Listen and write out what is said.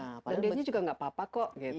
dan dia ini juga gak apa apa kok gitu